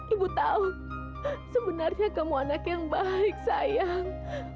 ibu tahu sebenarnya kamu anak yang baik sayang